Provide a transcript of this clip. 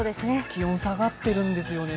気温下がっているんですよね。